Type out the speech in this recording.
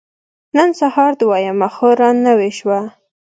نن سهار دويمه خور را نوې شوه.